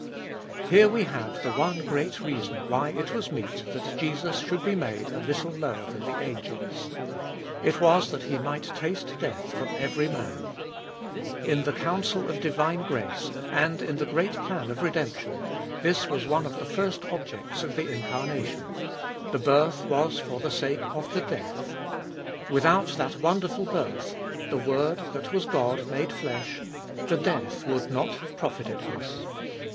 HERE we have the one great reason why it was meet that Jesus should be made a little lower than the angels. It was that He might taste death for every man. In the counsel of divine grace, and in the great plan of redemption, this was one of the first objects of the incarnation — the birth was for the sake of the death. Without that wonderful birth, — THE WORD, that was God, made flesh, — the death would not have profited us.